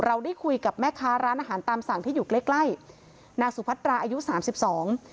เราได้คุยกับแม่ค้าร้านอาหารตามสั่งที่อยู่ใกล้ใกล้นางสุพัตราอายุสามสิบสอง